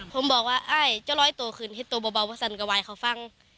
ผมบอกว่าอ้ายเจ้าร้อยตัวขึ้นให้ตัวเบาเพราะสันกระวายเขาฟัง